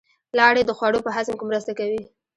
لاړې د خوړو په هضم کې مرسته کوي